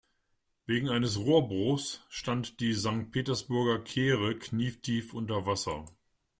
Wegen eines Rohrbruchs stand die Sankt-Petersburger Kehre knietief unter Wasser.